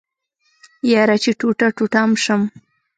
يره چې ټوټه ټوټه ام شم.